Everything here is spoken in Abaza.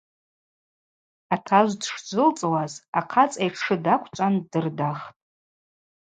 Атажв дшджвылцӏуаз ахъацӏа йтшы даквчӏван дырдахтӏ.